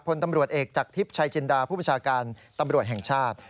พลตำรวจเอกจากทิพย์ชัยจินดาผู้ประชาการตำรวจแห่งชาติ